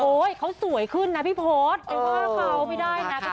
เขาสวยขึ้นนะพี่พศไปว่าเขาไม่ได้นะ